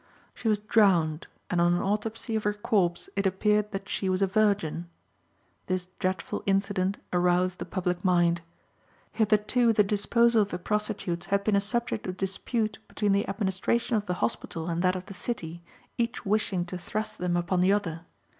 She was drowned, and on an autopsy of her corpse it appeared that she was a virgin. This dreadful incident aroused the public mind. Hitherto the disposal of the prostitutes had been a subject of dispute between the administration of the hospital and that of the city, each wishing to thrust them upon the other.